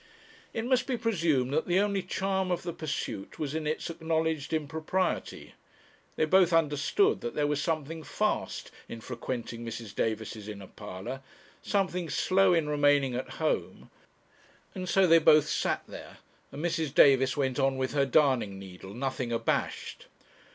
It must be presumed that the only charm of the pursuit was in its acknowledged impropriety. They both understood that there was something fast in frequenting Mrs. Davis's inner parlour, something slow in remaining at home; and so they both sat there, and Mrs. Davis went on with her darning needle, nothing abashed.